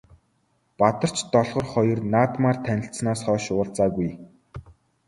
Бадарч Долгор хоёр наадмаар танилцсанаас хойш уулзаагүй.